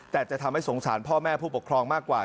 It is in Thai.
แต่จะทำให้สงสารพ่อแม่ผู้ปกครองมากกว่า